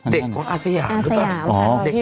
เด็กของอาศยาอาศยาอานั่งอ๋อ